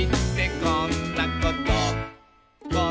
「こんなこと」